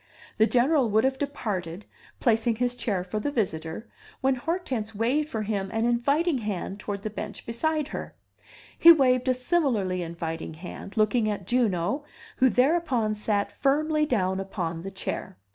The General would have departed, placing his chair for the visitor, when Hortense waved for him an inviting hand toward the bench beside her; he waved a similarly inviting hand, looking at Juno, who thereupon sat firmly down upon the chair.